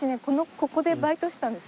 ここでバイトしてたんですよ。